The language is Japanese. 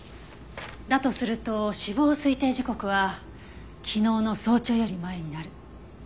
だとすると死亡推定時刻は昨日の早朝より前になる。